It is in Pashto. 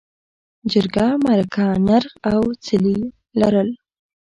جرګه، مرکه، نرخ او څلي لرل.